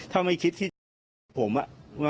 ถ้าไม่คิดที่จะผมอะ